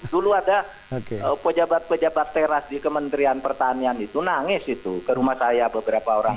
dulu ada pejabat pejabat teras di kementerian pertanian itu nangis itu ke rumah saya beberapa orang